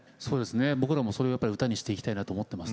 僕らもそれを歌にしていきたいなと思っています。